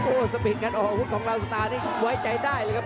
โอ้สมิดกันออกหุ้นของลาวสตาร์นี่ไว้ใจได้เลยครับ